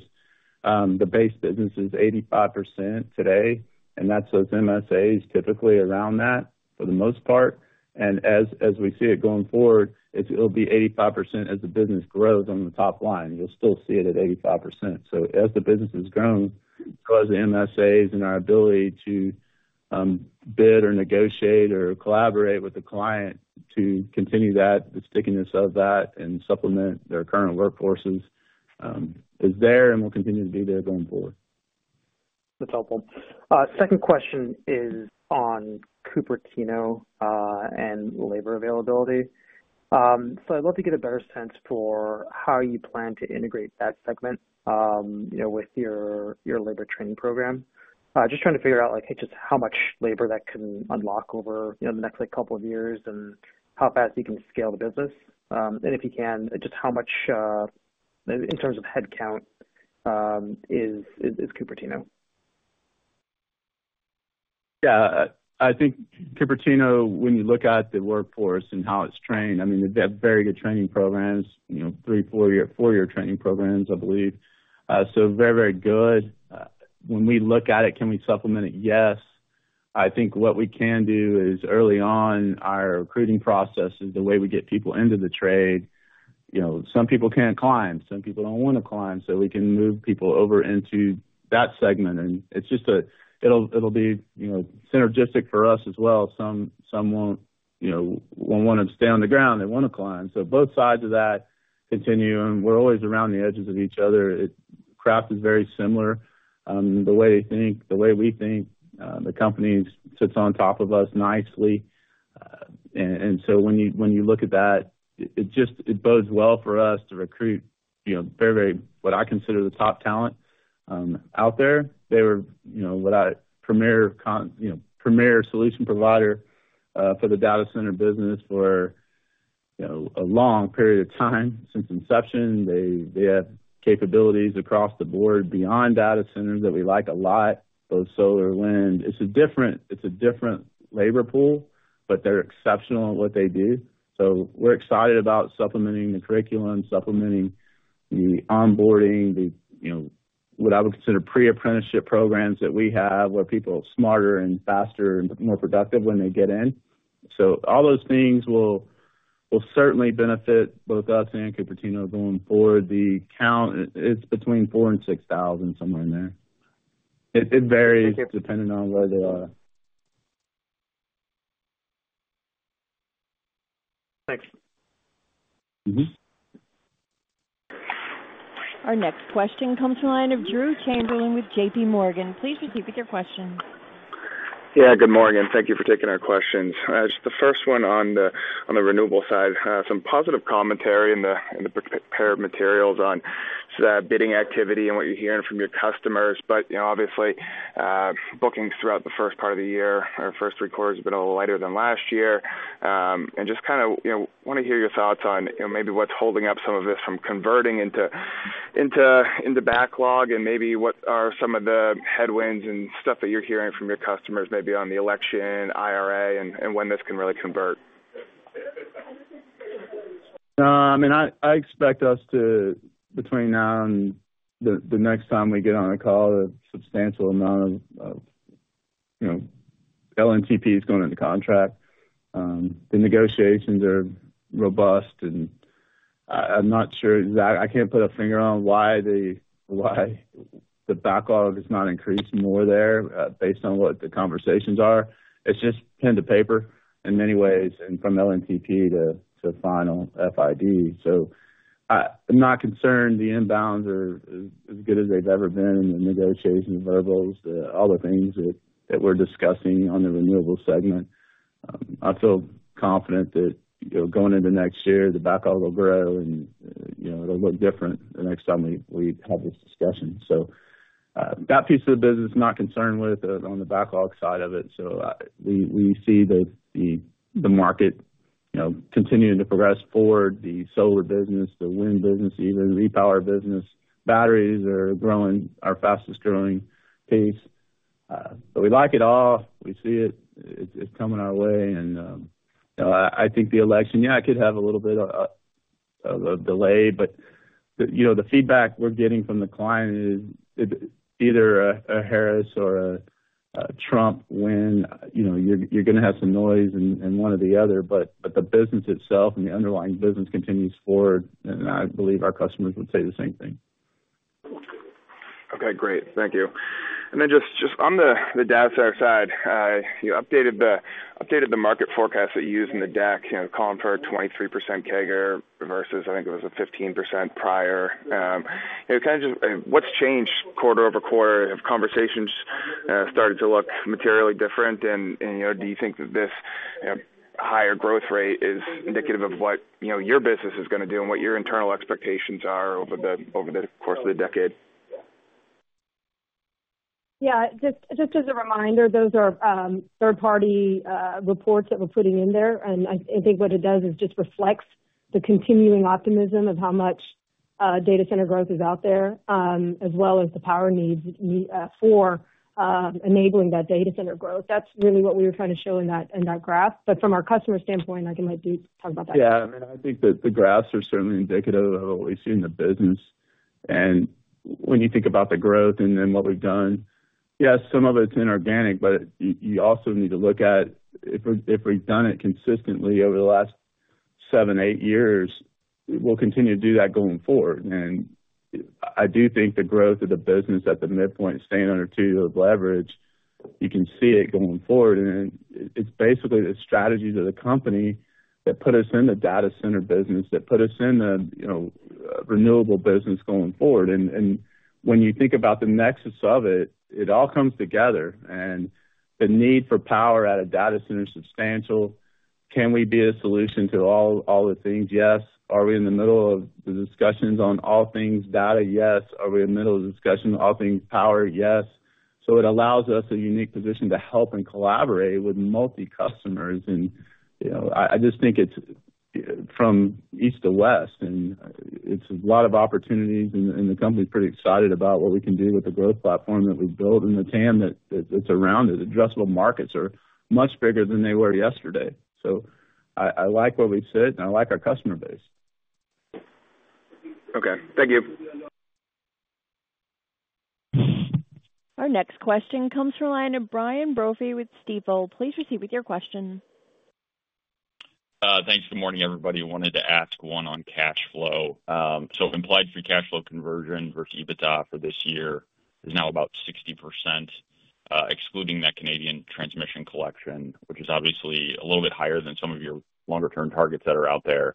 the base business is 85% today, and that's those MSAs typically around that for the most part. And as we see it going forward, it'll be 85% as the business grows on the top line. You'll still see it at 85%. So as the business has grown, so as the MSAs and our ability to bid or negotiate or collaborate with the client to continue that, the stickiness of that, and supplement their current workforces is there and will continue to be there going forward. That's helpful. Second question is on Cupertino and labor availability. So I'd love to get a better sense for how you plan to integrate that segment with your labor training program. Just trying to figure out just how much labor that can unlock over the next couple of years and how fast you can scale the business. And if you can, just how much in terms of headcount is Cupertino? Yeah. I think Cupertino, when you look at the workforce and how it's trained, I mean, they have very good training programs, three- or four-year training programs, I believe. So very, very good. When we look at it, can we supplement it? Yes. I think what we can do is early on, our recruiting process is the way we get people into the trade. Some people can't climb. Some people don't want to climb. So we can move people over into that segment. And it's just that it'll be synergistic for us as well. Some won't want to stay on the ground. They want to climb. So both sides of that continuum. We're always around the edges of each other. Craft is very similar. The way they think, the way we think, the company sits on top of us nicely. And so when you look at that, it bodes well for us to recruit very, very what I consider the top talent out there. They were what I consider a premier solution provider for the data center business for a long period of time since inception. They have capabilities across the board beyond data centers that we like a lot, both solar and wind. It's a different labor pool, but they're exceptional at what they do. So we're excited about supplementing the curriculum, supplementing the onboarding, what I would consider pre-apprenticeship programs that we have where people are smarter and faster and more productive when they get in. So all those things will certainly benefit both us and Cupertino going forward. The count, it's between four and six thousand, somewhere in there. It varies depending on where they are. Thanks. Our next question comes from a line of Drew Chamberlain with JPMorgan. Please proceed with your question. Yeah. Good morning. Thank you for taking our questions. The first one on the renewable side, some positive commentary in the prepared materials on bidding activity and what you're hearing from your customers. But obviously, bookings throughout the first part of the year or first three quarters have been a little lighter than last year. And just kind of want to hear your thoughts on maybe what's holding up some of this from converting into backlog and maybe what are some of the headwinds and stuff that you're hearing from your customers maybe on the election, IRA, and when this can really convert. I mean, I expect us to, between now and the next time we get on a call, a substantial amount of LNTP is going into contract. The negotiations are robust, and I'm not sure exactly. I can't put a finger on why the backlog has not increased more there based on what the conversations are. It's just pen to paper in many ways and from LNTP to final FID, so I'm not concerned. The inbounds are as good as they've ever been in the negotiations, verbals, all the things that we're discussing on the renewable segment. I feel confident that going into next year, the backlog will grow, and it'll look different the next time we have this discussion, so that piece of the business, I'm not concerned with on the backlog side of it. So we see the market continuing to progress forward, the solar business, the wind business, even the power business. Batteries are growing our fastest growing pace. But we like it all. We see it. It's coming our way. And I think the election, yeah, it could have a little bit of a delay. But the feedback we're getting from the client is either a Harris or a Trump win. You're going to have some noise in one or the other. But the business itself and the underlying business continues forward. And I believe our customers would say the same thing. Okay. Great. Thank you. And then just on the data center side, you updated the market forecast that you use in the deck, calling for a 23% CAGR versus, I think it was a 15% prior. Kind of just what's changed quarter over quarter? Have conversations started to look materially different? And do you think that this higher growth rate is indicative of what your business is going to do and what your internal expectations are over the course of the decade? Yeah. Just as a reminder, those are third-party reports that we're putting in there. And I think what it does is just reflects the continuing optimism of how much data center growth is out there, as well as the power needs for enabling that data center growth. That's really what we were trying to show in that graph. But from our customer standpoint, I can let you talk about that. Yeah. I mean, I think that the graphs are certainly indicative of what we see in the business. And when you think about the growth and then what we've done, yes, some of it's inorganic, but you also need to look at if we've done it consistently over the last seven, eight years, we'll continue to do that going forward. And I do think the growth of the business at the midpoint, staying under two-year leverage, you can see it going forward. And it's basically the strategies of the company that put us in the data center business, that put us in the renewable business going forward. And when you think about the nexus of it, it all comes together. And the need for power at a data center is substantial. Can we be a solution to all the things? Yes. Are we in the middle of the discussions on all things data? Yes. Are we in the middle of the discussion on all things power? Yes. So it allows us a unique position to help and collaborate with multi-customers. And I just think it's from east to west, and it's a lot of opportunities. And the company is pretty excited about what we can do with the growth platform that we've built and the TAM that's around it. Addressable markets are much bigger than they were yesterday. So I like where we sit, and I like our customer base. Okay. Thank you. Our next question comes from a line of Brian Brophy with Stifel. Please proceed with your question. Thanks. Good morning, everybody. I wanted to ask one on cash flow. So implied Free Cash Flow conversion versus EBITDA for this year is now about 60%, excluding that Canadian transmission collection, which is obviously a little bit higher than some of your longer-term targets that are out there.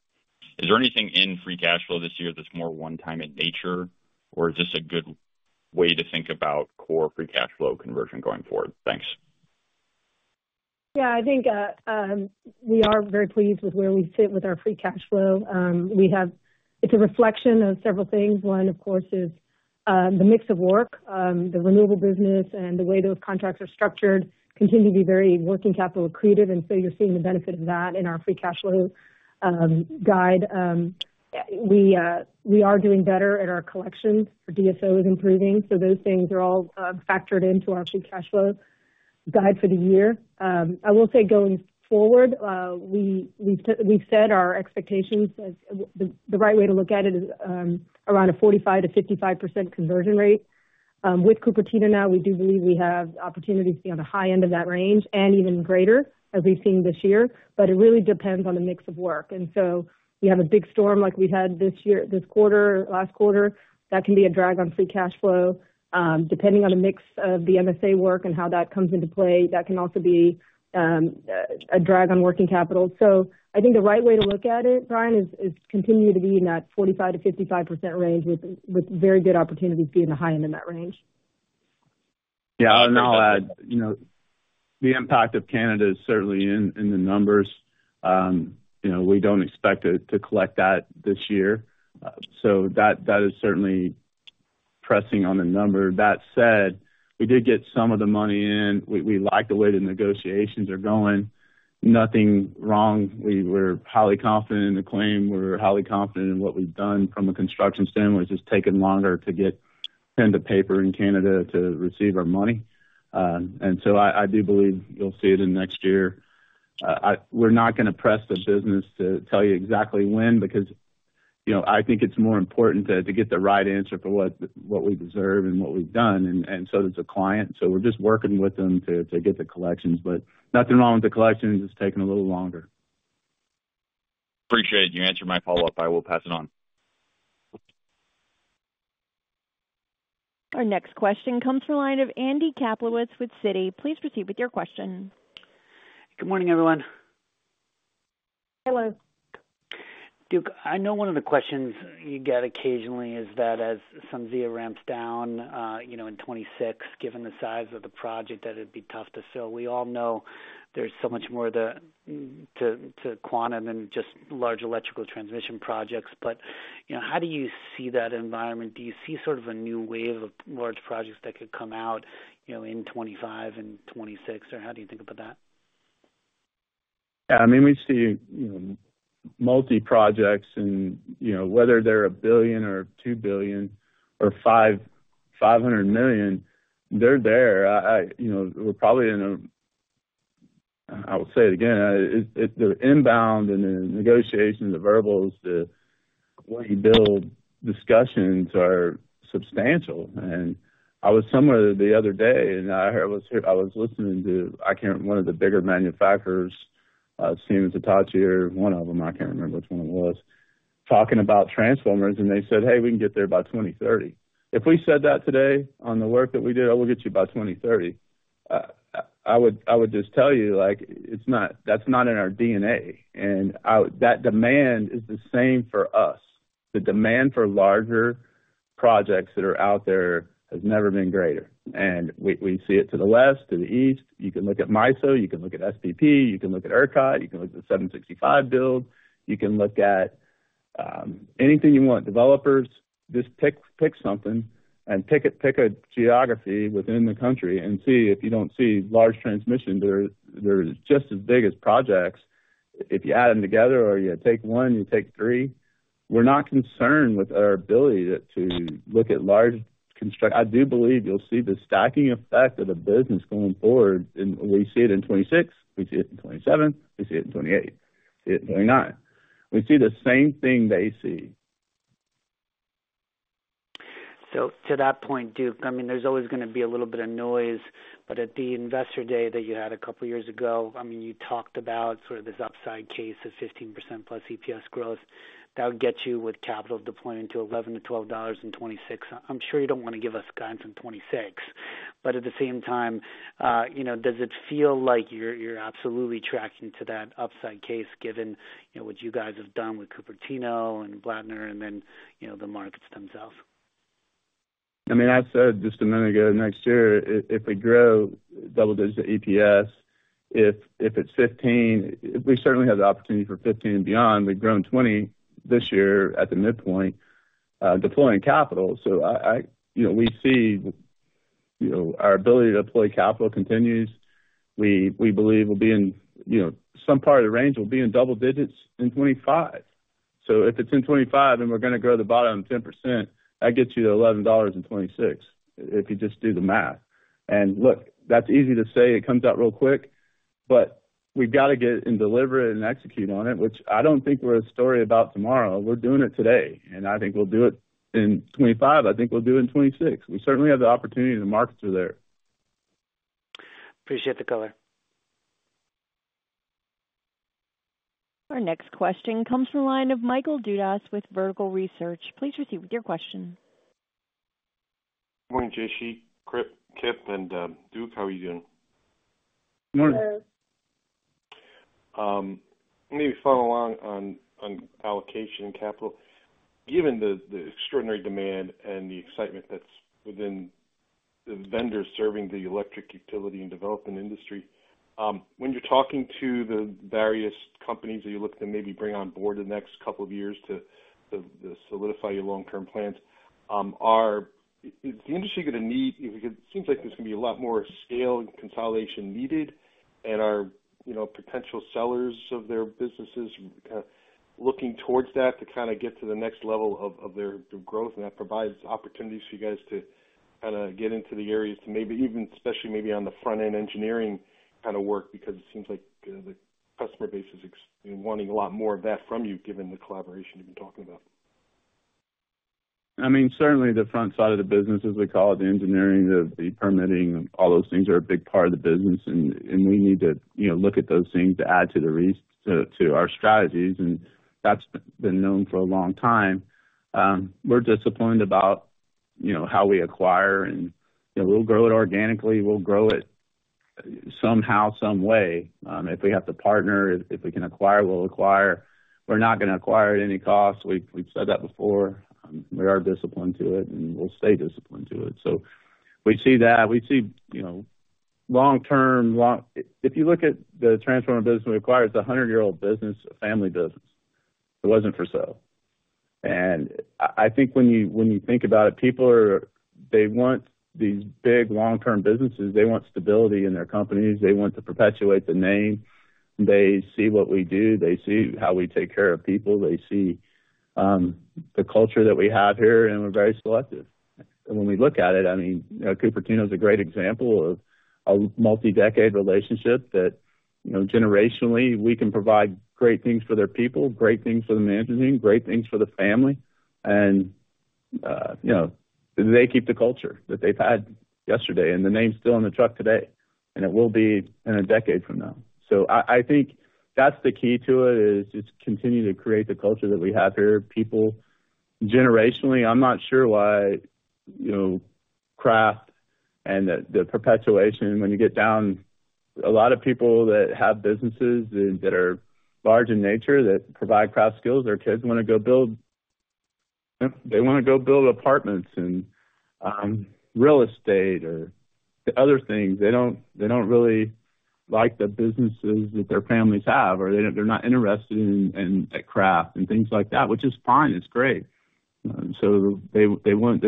Is there anything in Free Cash Flow this year that's more one-time in nature, or is this a good way to think about core Free Cash Flow conversion going forward? Thanks. Yeah. I think we are very pleased with where we sit with our Free Cash Flow. It's a reflection of several things. One, of course, is the mix of work, the renewable business, and the way those contracts are structured continue to be very working capital accretive. And so you're seeing the benefit of that in our Free Cash Flow guide. We are doing better at our collections. DSO is improving. So those things are all factored into our Free Cash Flow guide for the year. I will say going forward, we've set our expectations. The right way to look at it is around a 45%-55% conversion rate. With Cupertino now, we do believe we have opportunities to be on the high end of that range and even greater, as we've seen this year. But it really depends on the mix of work. And so we have a big storm like we've had this quarter, last quarter. That can be a drag on Free Cash Flow. Depending on the mix of the MSA work and how that comes into play, that can also be a drag on working capital. So I think the right way to look at it, Brian, is continue to be in that 45%-55% range with very good opportunities being the high end of that range. Yeah, and I'll add the impact of Canada is certainly in the numbers. We don't expect to collect that this year, so that is certainly pressing on the number. That said, we did get some of the money in. We like the way the negotiations are going. Nothing wrong. We're highly confident in the claim. We're highly confident in what we've done from a construction standpoint. It's just taken longer to get pen to paper in Canada to receive our money, and so I do believe you'll see it in next year. We're not going to press the business to tell you exactly when because I think it's more important to get the right answer for what we deserve and what we've done and so does the client, so we're just working with them to get the collections, but nothing wrong with the collections. It's taken a little longer. Appreciate it. You answered my follow-up. I will pass it on. Our next question comes from a line of Andy Kaplowitz with Citi. Please proceed with your question. Good morning, everyone. Hello. Duke, I know one of the questions you get occasionally is that as SunZia ramps down in 2026, given the size of the project, that it'd be tough to fill. We all know there's so much more to Quanta and just large electrical transmission projects. But how do you see that environment? Do you see sort of a new wave of large projects that could come out in 2025 and 2026? Or how do you think about that? Yeah. I mean, we see multi-projects. And whether they're $1 billion or $2 billion or $500 million, they're there. We're probably in a. I will say it again. The inbound and the negotiations, the verbals, the way you build discussions are substantial. And I was somewhere the other day, and I was listening to one of the bigger manufacturers, Siemens Hitachi or one of them, I can't remember which one it was, talking about transformers. And they said, "Hey, we can get there by 2030." If we said that today on the work that we did, "Oh, we'll get you by 2030," I would just tell you that's not in our DNA. And that demand is the same for us. The demand for larger projects that are out there has never been greater. And we see it to the west, to the east. You can look at MISO. You can look at SPP. You can look at ERCOT. You can look at the 765 build. You can look at anything you want. Developers, just pick something and pick a geography within the country and see if you don't see large transmissions. They're just as big as projects. If you add them together or you take one, you take three, we're not concerned with our ability to look at large construction. I do believe you'll see the stacking effect of the business going forward. And we see it in 2026. We see it in 2027. We see it in 2028. We see it in 2029. We see the same thing they see. So to that point, Duke, I mean, there's always going to be a little bit of noise. But at the investor day that you had a couple of years ago, I mean, you talked about sort of this upside case of 15% plus EPS growth. That would get you with capital deploying to $11-$12 in 2026. I'm sure you don't want to give us guidance on 2026. But at the same time, does it feel like you're absolutely tracking to that upside case given what you guys have done with Cupertino and Blattner and then the markets themselves? I mean, I said just a minute ago, next year, if we grow double-digit EPS. If it's 15, we certainly have the opportunity for 15 and beyond. We've grown 20 this year at the midpoint deploying capital. So we see our ability to deploy capital continues. We believe we'll be in some part of the range will be in double digits in 2025. So if it's in 2025 and we're going to grow the bottom 10%, that gets you to $11 in 2026 if you just do the math. And look, that's easy to say. It comes out real quick. But we've got to get and deliver it and execute on it, which I don't think we're a story about tomorrow. We're doing it today. And I think we'll do it in 2025. I think we'll do it in 2026. We certainly have the opportunity. The markets are there. Appreciate the color. Our next question comes from a line of Michael Dudas with Vertical Research. Please proceed with your question. Good morning, Jayshree, Kip, and Duke. How are you doing? Good morning. Hello. Maybe following along on allocation capital. Given the extraordinary demand and the excitement that's within the vendors serving the electric utility and development industry, when you're talking to the various companies that you're looking to maybe bring on board in the next couple of years to solidify your long-term plans, is the industry going to need, it seems like there's going to be a lot more scale and consolidation needed, and are potential sellers of their businesses kind of looking towards that to kind of get to the next level of their growth? That provides opportunities for you guys to kind of get into the areas to maybe even especially maybe on the front-end engineering kind of work because it seems like the customer base is wanting a lot more of that from you given the collaboration you've been talking about. I mean, certainly the front side of the business, as we call it, the engineering, the permitting, all those things are a big part of the business, and we need to look at those things to add to our strategies, and that's been known for a long time. We're disappointed about how we acquire, and we'll grow it organically. We'll grow it somehow, some way. If we have to partner, if we can acquire, we'll acquire. We're not going to acquire at any cost. We've said that before. We are disciplined to it, and we'll stay disciplined to it, so we see that. We see long-term. If you look at the transformative business, we acquired a 100-year-old business, a family business. It wasn't for sale, and I think when you think about it, people, they want these big long-term businesses. They want stability in their companies. They want to perpetuate the name. They see what we do. They see how we take care of people. They see the culture that we have here, and we're very selective. And when we look at it, I mean, Cupertino is a great example of a multi-decade relationship that generationally, we can provide great things for their people, great things for the management team, great things for the family. And they keep the culture that they've had yesterday. And the name's still in the truck today. And it will be in a decade from now. So I think that's the key to it is just continue to create the culture that we have here. People, generationally, I'm not sure why craft and the perpetuation when you get down. A lot of people that have businesses that are large in nature that provide craft skills, their kids want to go build. They want to go build apartments and real estate or other things. They don't really like the businesses that their families have, or they're not interested in craft and things like that, which is fine. It's great. So they're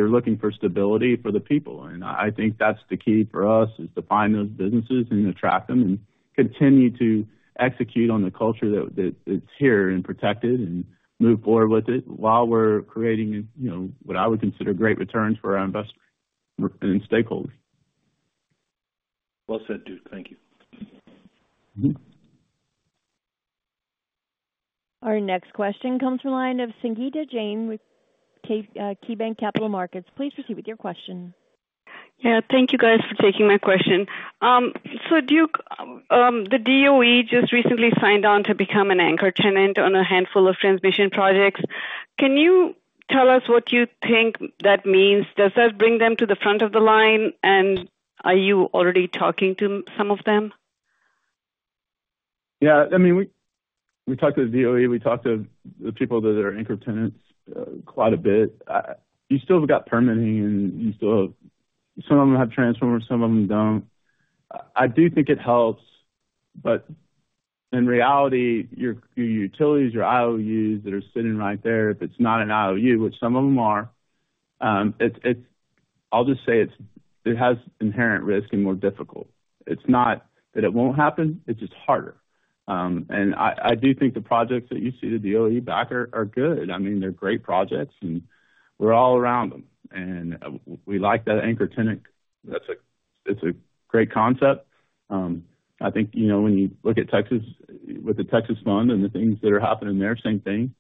looking for stability for the people. And I think that's the key for us is to find those businesses and attract them and continue to execute on the culture that's here and protected and move forward with it while we're creating what I would consider great returns for our investors and stakeholders. Well said, Duke. Thank you. Our next question comes from a line of Sangita Jain with KeyBanc Capital Markets. Please proceed with your question. Yeah. Thank you, guys, for taking my question. So, Duke, the DOE just recently signed on to become an anchor tenant on a handful of transmission projects. Can you tell us what you think that means? Does that bring them to the front of the line? And are you already talking to some of them? Yeah. I mean, we talked to the DOE. We talked to the people that are anchor tenants quite a bit. You still have got permitting, and some of them have transformers. Some of them don't. I do think it helps. But in reality, your utilities, your IOUs that are sitting right there, if it's not an IOU, which some of them are, I'll just say it has inherent risk and more difficult. It's not that it won't happen. It's just harder. And I do think the projects that you see the DOE back are good. I mean, they're great projects. And we're all around them. And we like that anchor tenant. It's a great concept. I think when you look at Texas with the Texas Fund and the things that are happening there, same thing.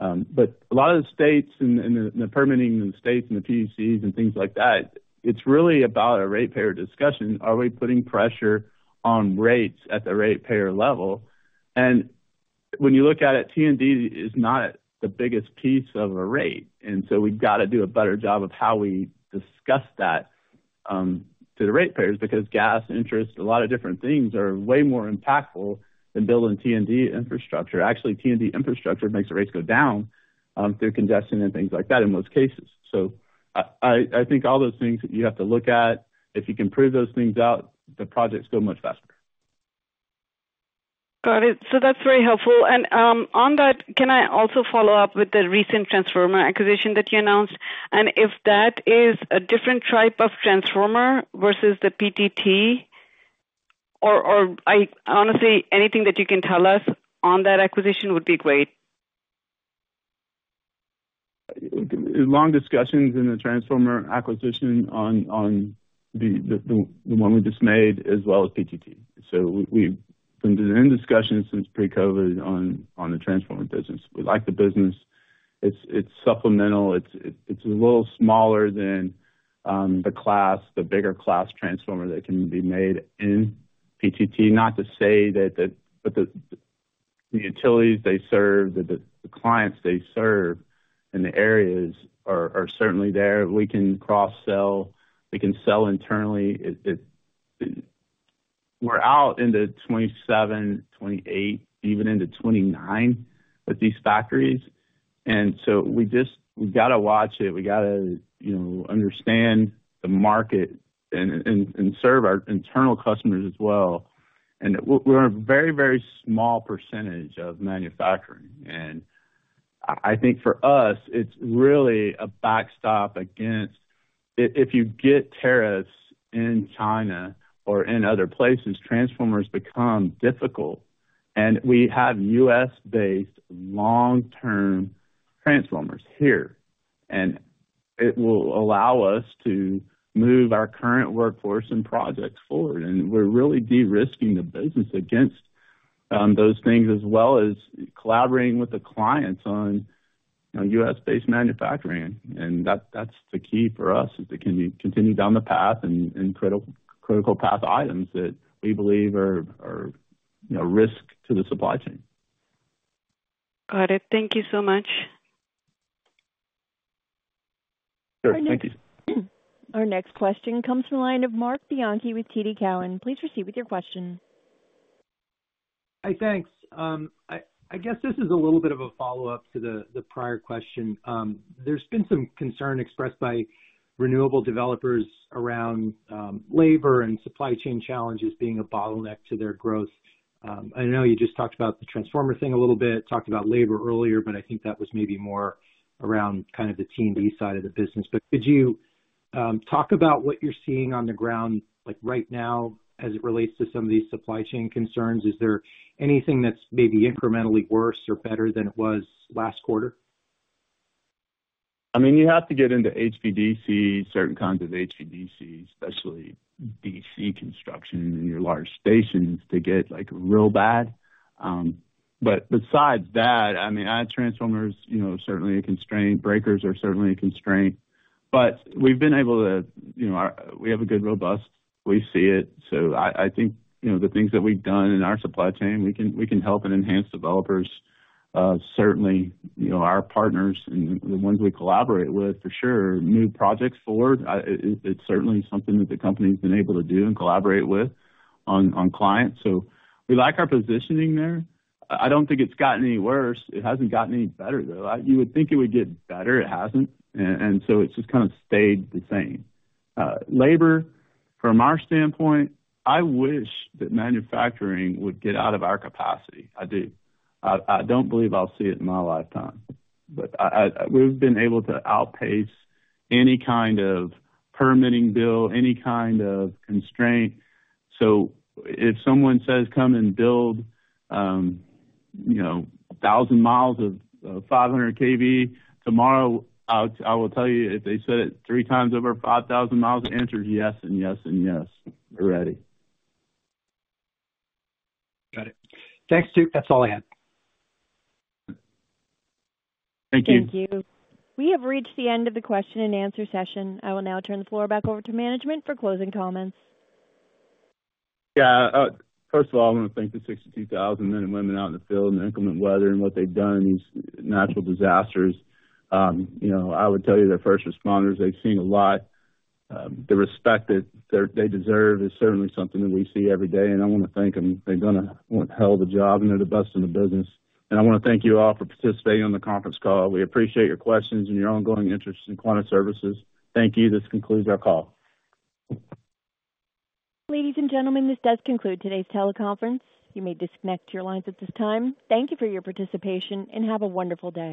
But a lot of the states and the permitting in the states and the PUCs and things like that, it's really about a ratepayer discussion. Are we putting pressure on rates at the ratepayer level? And when you look at it, T&D is not the biggest piece of a rate. And so we've got to do a better job of how we discuss that to the ratepayers because gas, interest, a lot of different things are way more impactful than building T&D infrastructure. Actually, T&D infrastructure makes the rates go down through congestion and things like that in most cases. So I think all those things that you have to look at, if you can prove those things out, the projects go much faster. Got it, so that's very helpful, and on that, can I also follow up with the recent transformer acquisition that you announced, and if that is a different type of transformer versus the PTTI, or honestly, anything that you can tell us on that acquisition would be great. Long discussions in the transformer acquisition on the one we just made as well as PTTI, so we've been in discussions since pre-COVID on the transformer business. We like the business. It's supplemental. It's a little smaller than the bigger class transformer that can be made in PTTI. Not to say that the utilities they serve, the clients they serve in the areas are certainly there, we can cross-sell, we can sell internally, we're out into 2027, 2028, even into 2029 with these factories, and so we've got to watch it, we've got to understand the market and serve our internal customers as well, and we're a very, very small percentage of manufacturing, and I think for us, it's really a backstop against if you get tariffs in China or in other places, transformers become difficult, and we have U.S.-based long-term transformers here. And it will allow us to move our current workforce and projects forward. And we're really de-risking the business against those things as well as collaborating with the clients on U.S.-based manufacturing. And that's the key for us is to continue down the path and critical path items that we believe are risk to the supply chain. Got it. Thank you so much. Sure. Thank you. Our next question comes from a line of Mark Bianchi with TD Cowen. Please proceed with your question. Hi, thanks. I guess this is a little bit of a follow-up to the prior question. There's been some concern expressed by renewable developers around labor and supply chain challenges being a bottleneck to their growth. I know you just talked about the transformer thing a little bit, talked about labor earlier, but I think that was maybe more around kind of the T&D side of the business, but could you talk about what you're seeing on the ground right now as it relates to some of these supply chain concerns? Is there anything that's maybe incrementally worse or better than it was last quarter? I mean, you have to get into HVDC, certain kinds of HVDC, especially DC construction in your large stations to get real bad. But besides that, I mean, transformers are certainly a constraint. Breakers are certainly a constraint. But we've been able to. We have a good robust. We see it. So I think the things that we've done in our supply chain, we can help and enhance developers. Certainly, our partners and the ones we collaborate with, for sure, move projects forward. It's certainly something that the company has been able to do and collaborate with on clients. So we like our positioning there. I don't think it's gotten any worse. It hasn't gotten any better, though. You would think it would get better. It hasn't. And so it's just kind of stayed the same. Labor, from our standpoint, I wish that manufacturing would get out of our capacity. I do. I don't believe I'll see it in my lifetime. But we've been able to outpace any kind of permitting bill, any kind of constraint. So if someone says, "Come and build 1,000 miles of 500 kV," tomorrow, I will tell you, if they said it three times over 5,000 miles, the answer is yes and yes and yes. We're ready. Got it. Thanks, Duke. That's all I had. Thank you. Thank you. We have reached the end of the question and answer session. I will now turn the floor back over to management for closing comments. Yeah. First of all, I want to thank the 62,000 men and women out in the field and the inclement weather and what they've done in these natural disasters. I would tell you the first responders; they've seen a lot. The respect that they deserve is certainly something that we see every day. And I want to thank them. They've done a hell of a job, and they're the best in the business. And I want to thank you all for participating on the conference call. We appreciate your questions and your ongoing interest in Quanta Services. Thank you. This concludes our call. Ladies and gentlemen, this does conclude today's teleconference. You may disconnect your lines at this time. Thank you for your participation, and have a wonderful day.